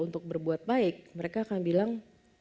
untuk berbuat baik mereka akan bilang